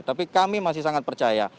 tapi kami masih sangat percaya